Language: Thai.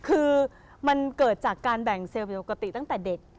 คือมันเกิดจากการแบ่งเซลเวลปกติตั้งแต่เด็ก